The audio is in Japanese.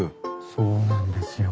そうなんですよ。